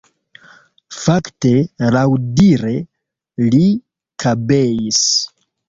Fakte, laŭdire, li kabeis.